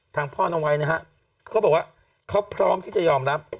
พ่อน้องไว้นะฮะเขาบอกว่าเขาพร้อมที่จะยอมรับ